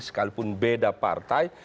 sekalipun beda partai